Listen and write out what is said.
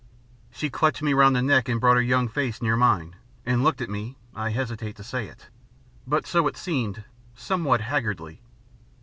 She clutched me round the neck and brought her young face near mine and looked at me I hesitate to say it, but so it seemed, somewhat haggardly.